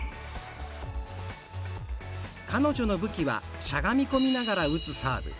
彼女の武器はしゃがみ込みながら打つサーブ。